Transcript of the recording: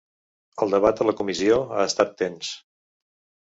El debat a la comissió ha estat tens.